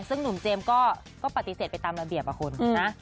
ซึ่งหนุ่มเจมส์ก็ปฏิเสธไปตามระเบียบอะคุณนะ